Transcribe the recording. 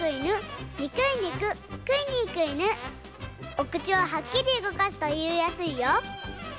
おくちをはっきりうごかすといいやすいよ。